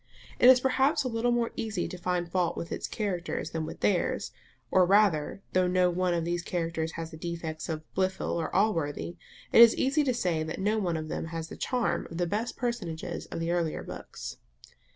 It is perhaps a little more easy to find fault with its characters than with theirs; or rather, though no one of these characters has the defects of Blifil or of Allworthy, it is easy to say that no one of them has the charm of the best personages of the earlier books.